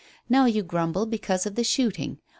Now you grumble because of the shooting.